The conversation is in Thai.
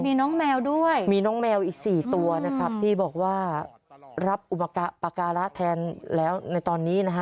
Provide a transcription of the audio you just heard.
มีน้องแมวด้วยมีน้องแมวอีก๔ตัวนะครับที่บอกว่ารับอุปการะแทนแล้วในตอนนี้นะฮะ